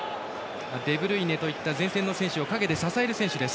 デブルイネといった前線の選手を陰で支える選手です。